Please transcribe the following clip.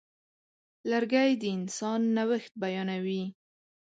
لرګی د انسان نوښت بیانوي.